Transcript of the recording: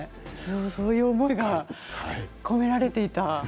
そういう思いが込められていた。